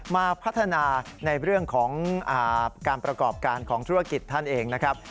มาพัฒนาในเรื่องของการประกอบการของธุรกิจท่านเองนะครับ